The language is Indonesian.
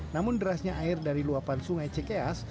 namun derasnya air dari luapan sungai cikeas